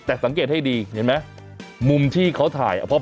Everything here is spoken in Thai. แต่สังเกตให้ดีเห็นไหมมุมที่เขาถ่าย